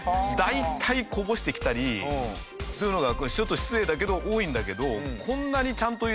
大体こぼしてきたりというのがちょっと失礼だけど多いんだけど。